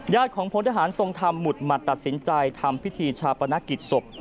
ของพลทหารทรงธรรมหมุดหมัดตัดสินใจทำพิธีชาปนกิจศพ